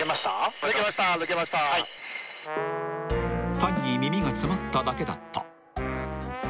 ［単に耳が詰まっただけだった］